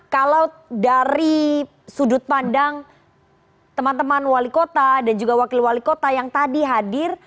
kalau dari sudut pandang teman teman wali kota dan juga wakil wali kota yang tadi hadir